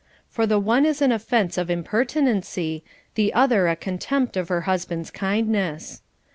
For the one is an offence of impertinency, the other a contempt of her husband's kindness.